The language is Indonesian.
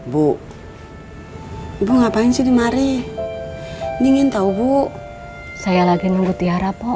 bu bu ngapain sih di mari dingin tahu bu saya lagi nunggu tiara pok